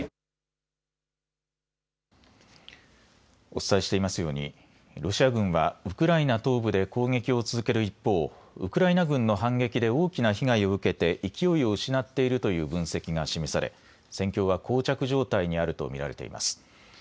お伝えしていますようにロシア軍はウクライナ東部で攻撃を続ける一方、ウクライナ軍の反撃で大きな被害を受けて勢いを失っているという分析が示され戦況はこう着状態にあると見られています。